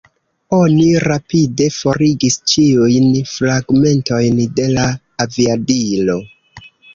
Oni rapide forigis ĉiujn fragmentojn de la aviadilo.